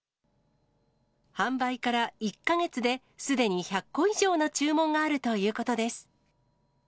販売から１か月で、すでに１００個以上の注文があるということです。